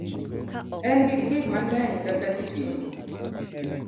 En gi gik mang'eny kaka sitima